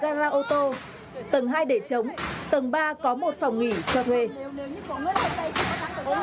tầng hai để chống tầng ba có một phòng nghỉ cho thuê